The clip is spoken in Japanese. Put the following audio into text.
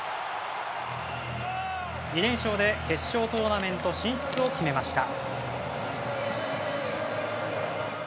２連勝で決勝トーナメント進出を決めました。